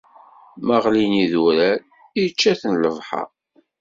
Ma ɣlin yidurar, ičča-ten lebḥer.